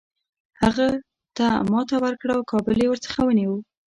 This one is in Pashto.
هغه ته ماته ورکړه او کابل یې ورڅخه ونیوی.